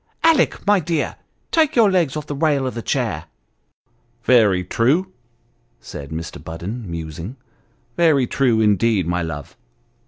Alick, my dear, take your legs off the rail of the chair !"" Very true," said Mr. Budden, musing, " very true, indeed, my love!